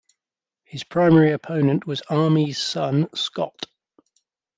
His primary opponent was Armey's son, Scott.